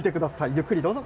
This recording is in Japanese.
ゆっくりどうぞ。